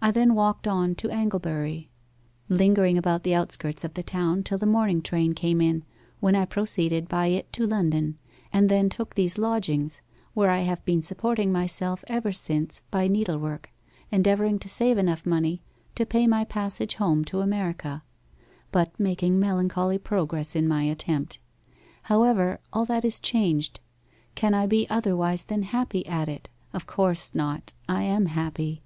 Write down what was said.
I then walked on to Anglebury, lingering about the outskirts of the town till the morning train came in, when I proceeded by it to London, and then took these lodgings, where I have been supporting myself ever since by needlework, endeavouring to save enough money to pay my passage home to America, but making melancholy progress in my attempt. However, all that is changed can I be otherwise than happy at it? Of course not. I am happy.